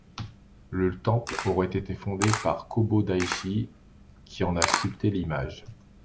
Le temple aurait été fondé par Kōbō Daishi, qui en a sculpté l'image.